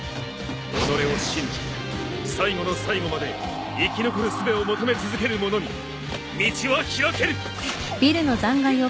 己を信じ最後の最後まで生き残るすべを求め続ける者に道は開ける。